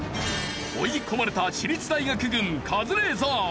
追い込まれた私立大学軍カズレーザー。